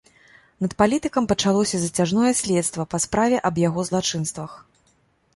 Над палітыкам пачалося зацяжное следства па справе аб яго злачынствах.